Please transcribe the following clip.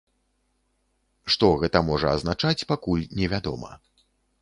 Што гэта можа азначаць, пакуль невядома.